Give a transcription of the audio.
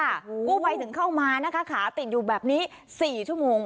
กู้ภัยถึงเข้ามานะคะขาติดอยู่แบบนี้๔ชั่วโมง